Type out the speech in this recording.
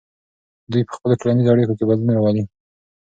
دوی په خپلو ټولنیزو اړیکو کې بدلون راولي.